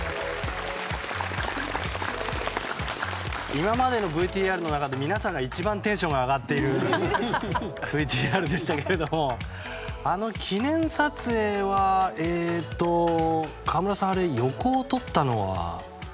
今までのＶＴＲの中で皆さんが一番テンションが上がっているＶＴＲでしたけれどもあの記念撮影は河村さん、横をとったのは。